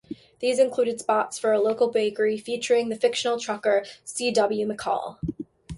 These included spots for a local bakery featuring the fictional trucker C. W. McCall.